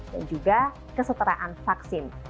dan juga kesetaraan vaksin